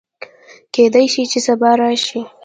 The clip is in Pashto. کېدی شي چې سبا راشي